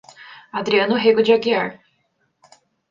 Adriano Rego de Aguiar